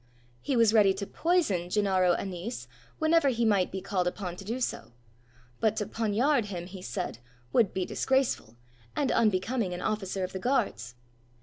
He was ready to poison Gennaro Annese whenever he might be called upon to do so; but to poniard him, he said, would be disgraceful, and unbecoming an officer of the guards!